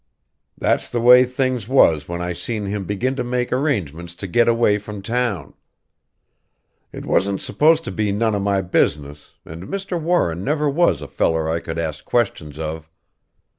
"That's the way things was when I seen him begin to make arrangements to get away from town. It wasn't supposed to be none of my business and Mr. Warren never was a feller I could ask questions of.